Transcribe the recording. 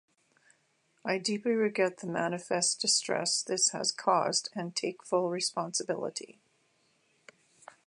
I deeply regret the manifest distress this has caused and take full responsibility.